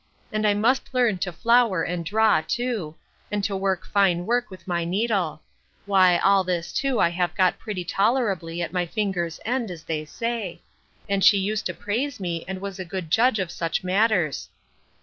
And I must learn to flower and draw too, and to work fine work with my needle; why, all this too I have got pretty tolerably at my finger's end, as they say; and she used to praise me, and was a good judge of such matters.